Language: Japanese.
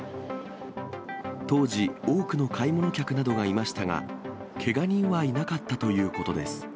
当時、多くの買い物客などがいましたが、けが人はいなかったということです。